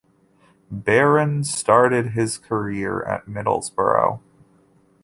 Barron started his career at Middlesbrough.